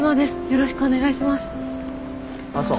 よろしくお願いします。